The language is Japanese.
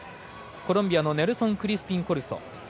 コロンビアのネルソン・クリスピンコルソ。